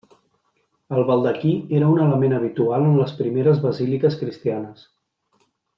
El baldaquí era un element habitual en les primeres basíliques cristianes.